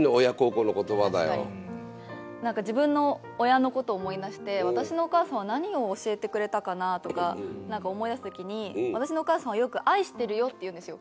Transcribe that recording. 自分の親の事を思い出して私のお母さんは何を教えてくれたかなとか思い出した時に私のお母さんはよく「愛してるよ」って言うんですよ